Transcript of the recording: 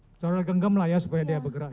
secara genggam lah ya supaya dia bergerak